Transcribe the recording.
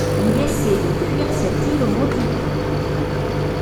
Il essaie de fuir cette île maudite!